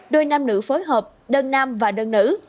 đôi nam nữ phối hợp đơn nam và đơn nữ